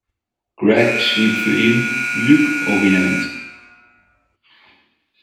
Greg schrieb für ihn "Luc Orient".